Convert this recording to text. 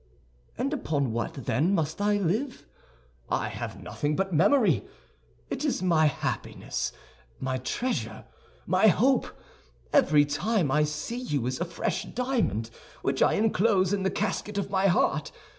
"And upon what then must I live? I have nothing but memory. It is my happiness, my treasure, my hope. Every time I see you is a fresh diamond which I enclose in the casket of my heart.